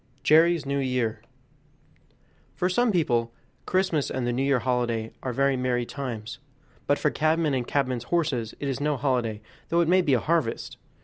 45 Jerry's New Year For some people Christmas and the New Year are very merry times; but for cabmen and cabmen's horses it is no holiday, though it may be a harvest.